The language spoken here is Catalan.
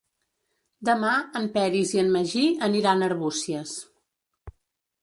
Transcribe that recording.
Demà en Peris i en Magí aniran a Arbúcies.